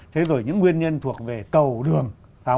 thế rồi những nguyên nhân thuộc về cầu đường